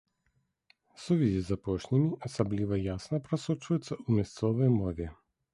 Сувязі з апошнімі асабліва ясна прасочваюцца ў мясцовай мове.